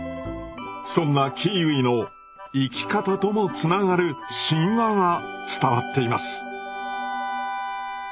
そんなキーウィの生き方ともつながる神話が伝わっています。